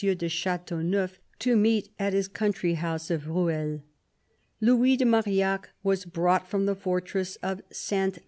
de Chateau neuf, to meet at his country house of Rueil. Louis de Marillac was brought from the fortress of Ste.